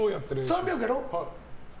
３００やろ？